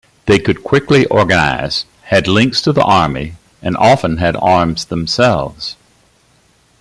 They could quickly organize, had links to the army, and often had arms themselves.